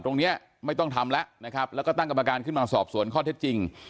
ตรงนี้ไม่ต้องทำแล้วนะครับแล้วก็ตั้งกรรมการขึ้นมาสอบสวนข้อเท็จจริง